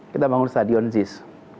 kita bangun stadion zis